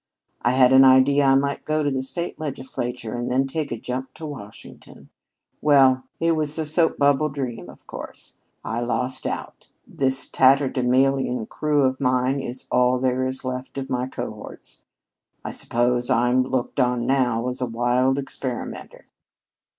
I had an idea I might go to the state legislature and then take a jump to Washington. Well, it was a soap bubble dream, of course. I lost out. This tatterdemalion crew of mine is all there is left of my cohorts. I suppose I'm looked on now as a wild experimenter."